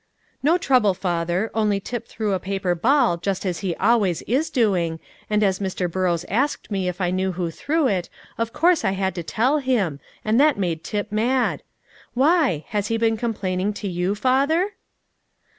"No trouble, father; only Tip threw a paper ball, just as he always is doing, and, as Mr. Burrows asked me if I knew who threw it, of course I had to tell him, and that made Tip mad. Why? Has he been complaining to you, father?"